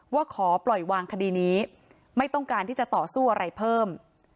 ว่าขอปล่อยวางคดีนี้ไม่ต้องการที่จะต่อสู้อะไรเพิ่ม